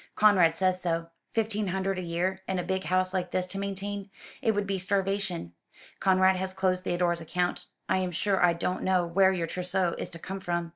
Conrad says so. Fifteen hundred a year, and a big house like this to maintain. It would be starvation. Conrad has closed Theodore's account. I am sure I don't know where your trousseau is to come from."